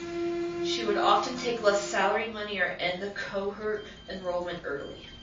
She would often take less salary money or end the cohort enrollment early.